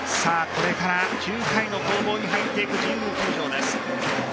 これから９回の攻防に入っていく神宮球場です。